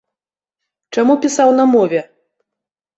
Чаму пісаў на мове?